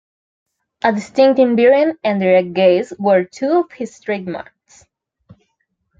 A distinctive bearing and direct gaze were two of his trademarks.